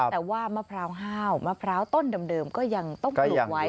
แต่ว่ามะพร้าวห้าวมะพร้าวต้นเดิมก็ยังต้องปลูกไว้